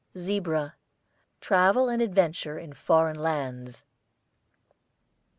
ZEBRA, travel and adventure in foreign lands.